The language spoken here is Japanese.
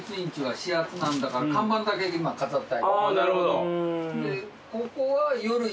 なるほど。